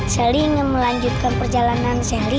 sali ingin melanjutkan perjalanan sali